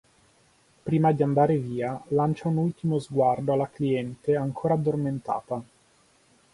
Prima di andare via lancia un ultimo sguardo alla cliente ancora addormentata.